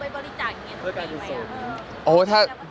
เพื่อเอาไปบริจาคอยุงเป็นอย่างนี้ไหม